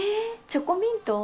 チョコミント？